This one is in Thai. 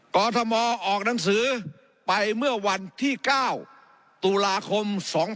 กรทมออกหนังสือไปเมื่อวันที่๙ตุลาคม๒๕๖๒